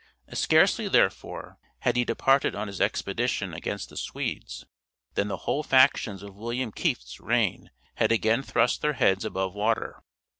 Scarcely, therefore, had he departed on his expedition against the Swedes, than the whole factions of William Kieft's reign had again thrust their heads above water.